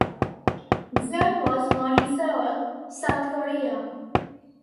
Jun was born in Seoul, South Korea.